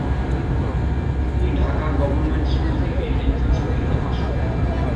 তিনি Dhaka government school থেকে entrance পরীক্ষা পাস করেন।